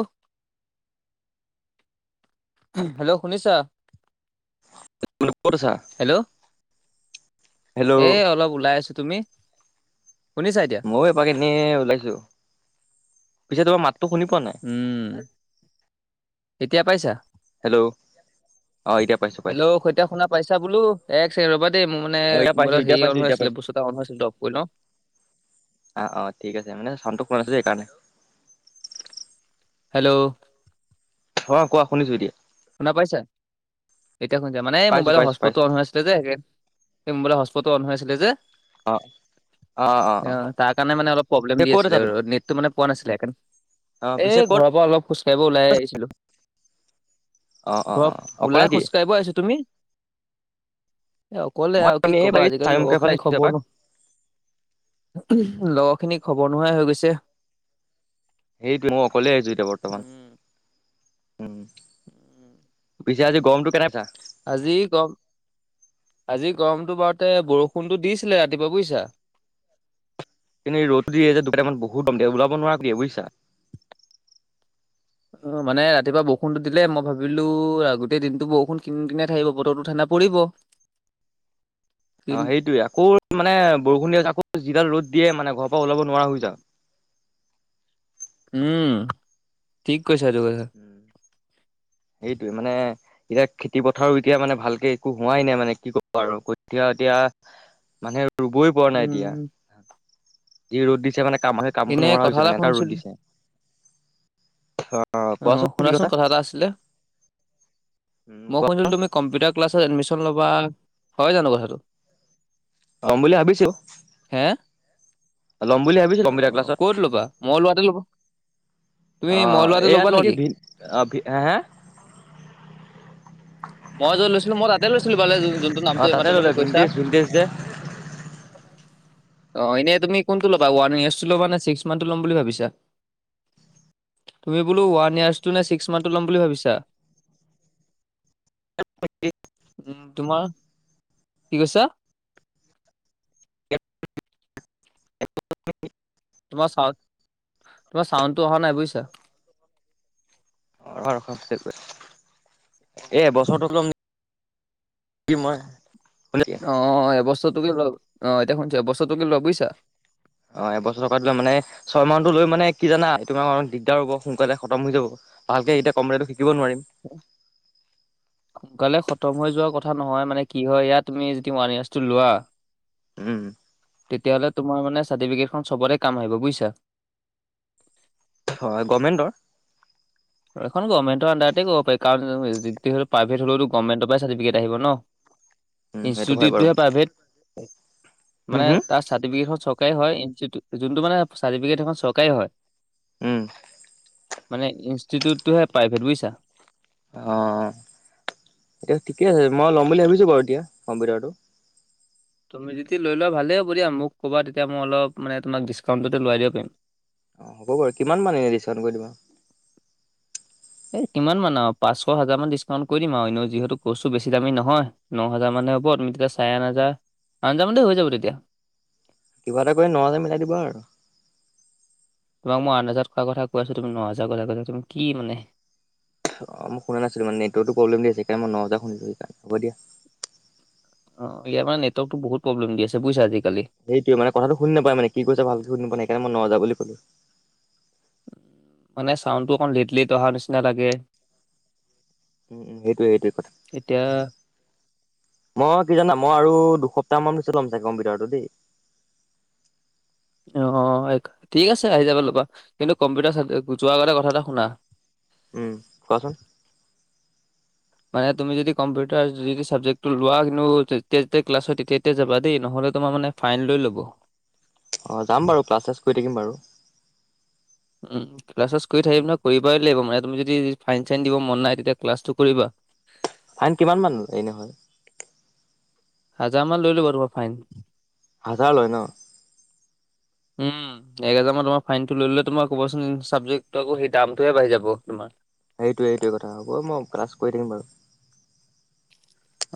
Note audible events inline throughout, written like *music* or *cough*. অহ। Hello শুনিছা? *unintelligible* ক'ত আছা? হেল্ল'। হেল্ল' এই অলপ ওলাই আছোঁ। তুমি শুনিছা এতিয়া? ময়ো এপাক এনেই ওলাইছোঁ। পিছে তোমাৰ মাততো শুনি পোৱা নাই। উম, এতিয়া পাইছা? হেল্ল' অহ, এতিয়া পাইছোঁ। হেল্ল'। এতিয়া শুনা পাইছা বোলো। এক চেকেণ্ড ৰবা দেই মানে অ' এতিয়া পাইছো বোলো‌ এতিয়া হেৰি অন‌ পাইছো হৈ এতিয়া আছিলে, পাইছো। বস্তু এটা অন‌ হৈ আছিলে, সেইটো অফ কৰি লওঁ। অহ, ' অহ' ঠিক আছে। মানে চাউনটো পোৱা নাছিলোঁ সেই কাৰণে। হেল্ল'। অহ, ' কোৱা শুনিছোঁ এতিয়া। শুনা পাইছা? এতিয়া শুনিছা, মানে এই পাইছো মোবাইলৰ পাইছো হস্পটটো পাইছো। আন হৈ আছিলে যে সেই এই মোবাইলৰ হস্পতটো অন হৈ আছিলে যে। অহ। অহ, তাৰ কাৰণে মানে অলপ প্ৰব্লেম দি ক'ত আছা আছিলে, তুমি? নেটটো মানে পোৱা নাছিলে সেইকাৰণ। অ' পিছে এই ক'ত ঘৰৰ পৰা অলপ খোজ কাঢ়িব ওলাই আহিছিলোঁ। অ' অ' অ' ঘৰত অকলে ওলাই নেকি? খোজ কাঢ়িব আহিছোঁ। তুমি? এ অকলে মই আৰু কি এনেই ক'বা, বাকী আজিকালি লগৰ চাৰিমুখীয়া ফালে খিনি আহিছো এপাক। খবৰ নোহো উম, লগৰখিনি খবৰ নোহোৱাই হৈ গৈছে। সেইটোৱে মই অকলে আহিছোঁ এতিয়া বৰ্তমান, উম উম। উম পিছে আজি গৰমটো কেনে পাইছা? আজি গম, আজি গৰমতটো বাৰতে বৰষুণটো দিছিলে ৰাতিপুৱা বুজিছা। কিন্তু ৰ'দটো দিয়ে যে দুট মান বহুত একদম দিয়ে, ওলাব নোৱাৰোৱ দিয়ে বুজিছা। অহ, মানে ৰাতিপুৱা বৰষুণটো দিলে মই ভাবিলোঁ, গোটেই দিনতটো বৰষুণ কিনি কিনাই থাকিব, বতৰটো ঠাণ্ডা পৰিব। *inaudible* কিন অহ, সেইটোৱে আকৌ মানে বৰষুণ দিয়ে আকৌ যিডাল ৰ'দ দিয়ে মানে ঘৰ পৰা ওলাব নোৱাৰা হৈ যাওঁ। উম, ঠিক কৈছা এইটো কথা। যাওঁ। সেইটোৱে মানে এতিয়া খেতি পথাৰো এতিয়া মানে ভালকে একো হোৱাই নাই, মানে কি কব আৰু কঠিয়া এতিয়া মানে ৰুবই পৰা নাই এতিয়া। উম। যি ৰ'দ দিছে মানে, কামে-কামটো এনেই নোৱাৰা কথা হৈছে এটা মানে এনেকা ৰ'দ শুনিছিলো দিছে অহ। অহ, অ কোৱাচোন কি শুনাচোন কথা? এটা আছিলে উম, মই কোৱা শুনিছিলো তুমি কম্পিউটাৰ ক্লাছত এডমিশ্যন ল'বা হয় জানো কথাটো? ল'ম বুলি ভাবিছো। হে, ল'ম বুলি ভাবিছো কম্পিউটাৰ অহ ক্লাছত ক'ত ল'বা মই ওলোৱাতে ল'বা? তুমি অ মই লোৱাতে এইয়াত ল'বা ভি নেকি? ভি অ হ হা? মই যত লৈছিলো মই তাতে লৈছিলো ইফালে যোনটো নামটো অ' এই তাতে মাত্ৰ ল'লে তুমি কৈছা। ভিনটেজ *inaudible* ভিনটেজ যে অ ইনে তুমি কোনটো ল'বা ওৱান ইয়েৰচটো ল'বানে ছিক্স মন্থটো ল'ম বুলি ভাবিছা? তুমি বোলো ওৱান য়েৰচটো নে ছিক্স মন্থটো ল'ম বুলি ভাবিছা? *unintelligible* তোমাৰ কি কৈছা? *unintelligible* তোমাৰ চাউণ্ড চাউণ্ডটো অহা নাই বুইছা। *unintelligible* এই এবছৰটো ল'ম নিকি মই মানে অ অ এবছৰটোকে লোৱা অ, এতিয়া শুনিছো এবছৰটোকে লোৱা বুইছা। অ এবছৰটোতকৈ মানে ছয় মাহৰতো লৈ মানে কি জানা এই তোমাৰ অ দিগদাৰ হ'ব সোনকালে খতম হৈ যাব। ভালকে এতিয়া কম্পিউটাৰ শিকিব নোৱাৰিম। *unintelligible* সোনকালে খতম হৈ যোৱা কথা নহয় মানে কি হয় ইয়াত তুমি যদি ওৱান ইয়েৰ্চটো লোৱা উম। তেতিয়াহ'লে তোমাৰ মানে চাৰ্টিফিকেটখন চবতে কাম আহিব বুইছা। হয় গমেণ্টৰ সেইখন গভমেণ্টৰ আনডাৰতে কৰিব পাৰি কাৰণ যিহেতু প্ৰাইভেট হলেও গভমেণ্টৰ পৰাই চাৰ্টিফিকেট আহিব ন। উম, সেইটো হয় বাৰু ইনষ্টিটিউটটোহে প্ৰাইভেট উম, মানে হুম তাত চাৰ্ফিকেটখন চৰকাৰী হয় যোনটো মানে চাৰ্টিফিকেট সেইখন চৰকাৰী হয়। উম। মানে ইনষ্টিটিউটটোহে প্ৰাইভেট বুইছা। অ এতিয়া ঠিকে আছে মই ল'ম বুলি ভাবিছো বাৰু এতিয়া কম্পিউটাৰটো। তুমি যদি লৈ লোৱা ভালেই হ'ব দিয়া মোক ক'বা তেতিয়া মই অলপ মানে তোমাক ডিছকাউণ্টটো দি লোৱাই দিব পাৰিম। হ'ব বাৰু কিমান মানে ডিছকাউণ্ট কৰি দিবা? এই কিমান মান আও পাঁচশ, হাজাৰমান ডিছকাউণ্ট কৰি দিম আও এনেও যিহেতু কৰ্চটো বেছি দামী নহয়। ন হেজাৰ মানে হ'ব, তুমি তেতিয়া চাৰে আঠ হাজাৰ আঠ হাজাৰ মানতে হৈ যাব তেতিয়া। কিবা এটা কৰি ন হেজাৰত মিলাই দিবা আৰু। তোমাক মই আঠ হাজাৰত কৰা কথা কৈ আছো তুমি ন হেজাৰৰ কথা কৈছা তুম কি মানে। অ, মই শুনা নাছিলো মানে নেটৱৰ্কটো প্ৰবলেম দি আছে সেইকাৰণে মই ন হেজাৰ শুনিলো সেইকাৰণে হ'ব দিয়া। অ অ ইয়াত আমাৰ নেটৱৰ্কটো বহুত প্ৰব্লেম দি আছে বুইছা আজিকালি। সেইটোৱে মানে কথাটো শুনি নাপায় মানে কি কৈছা ভালকে শুনি পোৱা নাই সেইকাৰণে মই ন হাজাৰ বুলি ক'লো। মানে চাউণ্ডটো অকণ লেট লেট অহা নিচিনা লাগে। উম সেইটোৱে সেইটোৱে এতিয়া কথা। মই কি জানা মই আৰু দুসপ্তাহ মান পিছত ল'ম চাগে কম্পিউটাৰটো দেই। অ, ঠিক আছে আহি যাবা ল'বা কিন্তু কম্পিউটাৰ যোৱাৰ আগতে কথা এটা শুনা উম কোৱাচোন। মানে তুমি যদি কম্পিউটাৰ যদি চাবজেক্টো লোৱা কিন্তু যেতিয়া যেতিয়া ক্লাছ হয় তেতিয়াই তেতিয়াই যাবা দেই নহ'লে তোমাৰ মানে ফাইন লৈ ল'ব। অ যাম বাৰু ক্লাছ- শ্লাছ কৰি থাকিম বাৰু। উম ক্লাছ-শ্লাস কৰি থাকিম নহয় কৰিবই লাগিব মানে তুমি যদি ফাইন-চাইন দিব মন নাই তেতিয়া ক্লাছটো কৰিবা। ফাইন কিমান মান এনে হয়? হাজাৰ মান লৈ ল'ব তোমাৰ ফাইন। হাজাৰ লয় ন? উম এক হাজাৰ মান তোমাৰ ফাইনটো লৈ ল'লে তোমাৰ ক'বাচোন চাবজেক্টটো আকৌ সেই দামটোহে বাঢ়ি যাব তোমাৰ। সেইটোৱে, এইটোৱে, কথা হ'ব মই ক্লাছ কৰি থাকম বাৰু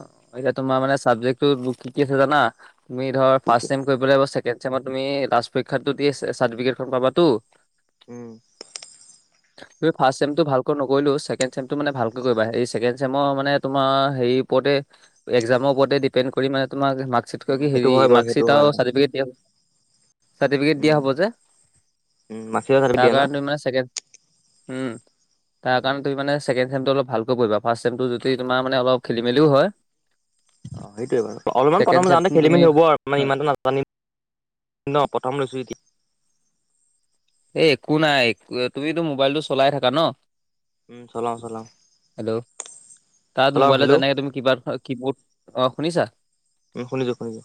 অ', তিয়া তোমাৰ মানে চাবজেক্টো কি কি আছে জানা, তুমি ধৰ কি কি ফাৰ্ষ ম কৰিব লাগ আচ মই তুমি ৰাজ পৰীক্ষাতো চাৰ্টিফিকেটখন পাবাতো উম, হয়। তুম ফাৰ্ষ্ট চেমটো ভালকৈ নকৰিলেও, ছেকেড চেমটো মানে ভালকৈ কৰিবা, এই কেণ্ড চছেম মানে তোমাৰ হেৰি ওপৰতে, এক্জামৰ ওপৰতে ডিপেড কৰি মানে তোমাক উম, কি সেইটো হেৰি, হয় বাৰু সেইটো মাৰ্কশ্বট হয় আৰু অ', চাৰ্ফিকেট হ উম, উম, মাচিও চাৰ্টিফিকেট দিয়ে ন? *unintelligible* উম, তাৰ উম। কাৰণে তুমি মানে ছেকেণ্ড চেমটো অলপ ভালকৈ পঢ়িবা, ফাৰ্ষ্ট চেমটো য তোমাৰ মে অল খেলি মেলিও হয় অ', সেইটোৱে বাৰু, অলপমান ছেকেণ্ড প্ৰথম যওঁতে চেমটো খেলি তুমি মেলি হ'ব আৰু অ, মানে ইমানটো নাজানিম ন, প্ৰথম লৈছোঁ এতিয়া এই একো নাই, তুমিতো মোবাইলটো চলাই থাকা ন উম, চলাও চলাও হেল্ল', তাত চলাও মোবাইল হেল্ল' জেনেকে তুমি কি বাৰ কি বৰ্ড অ শুনিছা উম, শুনিছো শুনিছো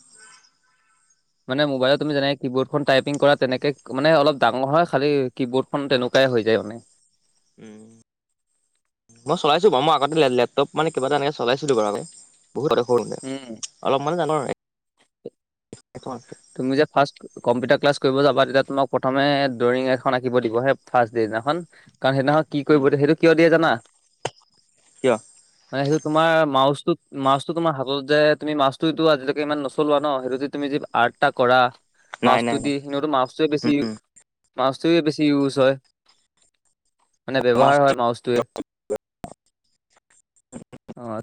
মানে মোবাইলত তুম যেনে কি বৰ্ড টাইপিং কৰা তেনে মানে অলপ ডাঙৰ হয়, খালী ক বৰ্ডখন তেনেকুৱাই হৈ যায় মানে উম, মই চলাচো বাৰু মই, আগতে লেপটপ মানে কিবা এনেক *unintelligible* বহুত সে উম, অলপমানানে জানো আৰু তু যে ফাৰ্ষ্ট কম্পিউটাৰ ক্লাছ কৰিব যাবা, তেতিয়া তোমাক প্ৰথমে ড্ৰয়িং এখন আঁকিব দিব সেই ফাৰ্ষট ডিদিনাখন কাৰণ, সেইদিহক কি কৰিব দ সেইটো কিয় দিয়ে জানা? কিয় মানে সেইটো তোমাৰ মাছটো মাছো তোমাৰ হাতত যে, তুমি মাছটোতটো আজিলৈকে ইমান নচলোৱা ন সেইটো তুমি যি আৰ্টা কৰা, নাই নাই মাছটোদি নাই সতো মা্ছটোৱে বেছি উম, মাছটোৱে বেছি ইউজ হয় মানে, ব্যৱহাৰ হয় মাউছটোৱে অ',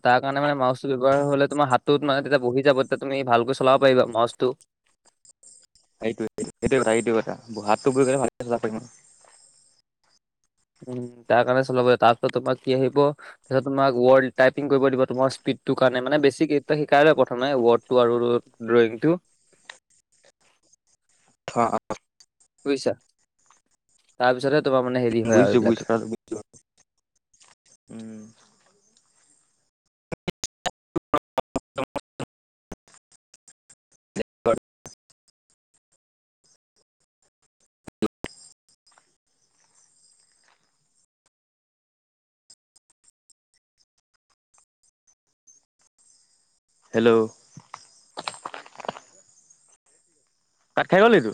াৰ কাৰণে মান মাছটো ব্যৱহাৰ হলে তোমাৰ হাতটোত মানে, তেতিয়া বহি যাব তেতিয়া তুমি ভালকৈ চলাব পাৰিবা মাছটো সেইটো, সেইটো কথা, সেইটো কথাাতটো বহলে ভাল ন উম, তাৰ কাৰণে চলাবাৰিব তাৰ পিছত তোমাৰ কি আহিব তাৰপিছত তোমাক ৱৰ্ড টাইপিং কৰিব দিব, তোমাৰ স্পীডটোৰ কাৰণে মানে বেছিটা শিকাই ল প্ৰথমে ৱৰ্ডটো আৰু ড্ৰয়িংটো *unintelligible* বুজিছা, তাৰপিছতহে তোমাৰ মানে হেৰি হয় আৰু বুজিছো বুজিছো এইবিলাকে কথাটো বুজিছো উম, হেল্ল' তাত খাই গ'ল তো